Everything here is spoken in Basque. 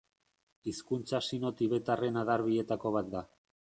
Hizkuntza sino-tibetarren adar bietako bat da.